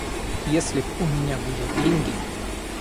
Если б у меня были деньги...